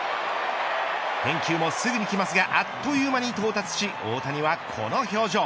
返球もすぐにきますがあっという間に到達し大谷はこの表情。